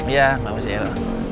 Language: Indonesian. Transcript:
ya ngapain sih ya lu